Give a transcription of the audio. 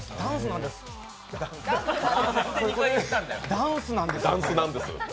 これダンスなんです。